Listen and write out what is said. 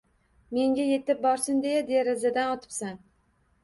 Menga yetib borsin deya derazadan otibsan.